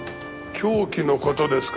凶器の事ですか？